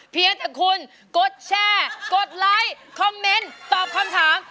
เพียงแต่คุณกดแชร์กดไลค์คอมเมนต์ตอบคำถาม